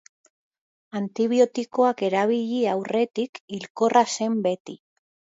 Antibiotikoak erabili aurretik hilkorra zen beti.